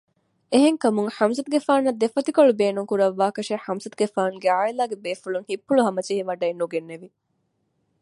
އެހެންކަމުން ޙަމްޒަތުގެފާނަށް ދެފޮތިކޮޅު ބޭނުންކުރައްވާކަށެއް ޙަމްޒަތުގެފާނުގެ ޢާއިލާގެ ބޭފުޅުން ހިތްޕުޅުހަމަޖެހިވަޑައެއް ނުގެންނެވި